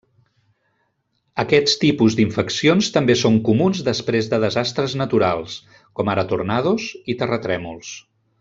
Aquests tipus d'infeccions també són comuns després de desastres naturals, com ara tornados i terratrèmols.